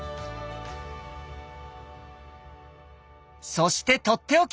そして取って置き！